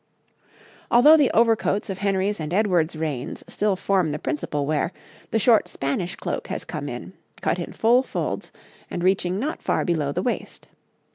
Although the overcoats of Henry's and Edward's reigns still form the principal wear, the short Spanish cloak has come in, cut in full folds, and reaching not far below the waist.